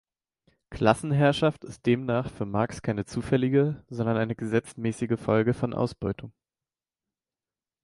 Klassenherrschaft ist demnach für Marx keine zufällige, sondern eine gesetzmäßige Folge von Ausbeutung.